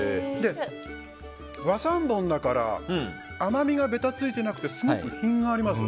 和三盆だから甘みがべたついてなくてすごく品があります。